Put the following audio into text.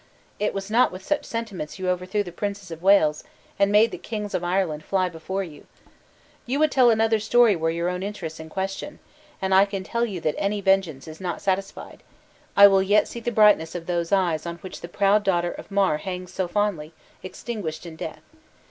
It was not with such sentiments you overthrew the princes of Wales, and made the kings of Ireland fly before you! You would tell another story were your own interest in question; and I can tell you that any vengeance is not satisfied, I will yet see the brightness of those eyes on which the proud daughter of Mar hangs so fondly, extinguished in death.